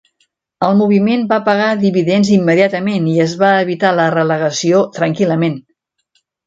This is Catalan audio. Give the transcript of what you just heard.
El moviment va pagar dividends immediatament i es va evitar la relegació tranquil·lament.